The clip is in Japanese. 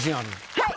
はい。